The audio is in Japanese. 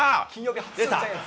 出た。